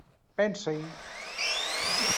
Pensa-hi!